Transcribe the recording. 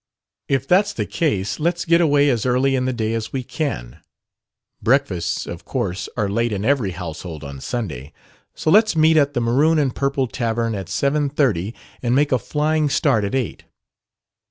"If that's the case, let's get away as early in the day as we can. Breakfasts, of course, are late in every household on Sunday. So let's meet at the Maroon and Purple Tavern at seven thirty, and make a flying start at eight."